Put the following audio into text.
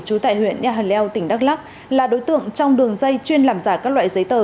trú tại huyện nhà leo tỉnh đắk lắc là đối tượng trong đường dây chuyên làm giả các loại giấy tờ